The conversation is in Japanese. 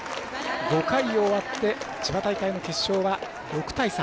５回終わって千葉大会の決勝は６対３